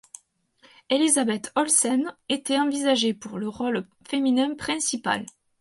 Elizabeth Olsen était envisagée pour le rôle féminin principal.